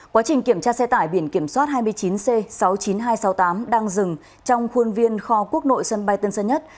quá trình kiểm tra xe tải biển kiểm soát hai mươi chín c sáu mươi chín nghìn hai trăm sáu mươi tám đang dừng trong khuôn viên kho quốc nội sân bay tân sơn nhất